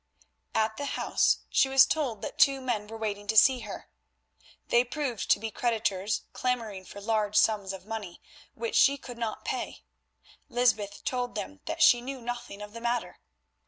At the house she was told that two men were waiting to see her. They proved to be creditors clamouring for large sums of money, which she could not pay. Lysbeth told them that she knew nothing of the matter.